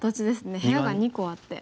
部屋が２個あって。